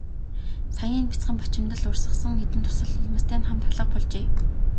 Саяын нь бяцхан бачимдал урсгасан хэдэн дусал нулимстай нь хамт алга болжээ.